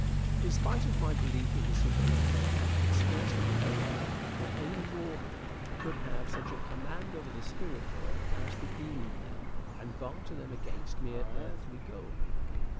In spite of my belief in the supernatural, I could scarcely credit the fact that any mortal could have such a command over the spirit world as to deal in them and barter them against mere earthly gold.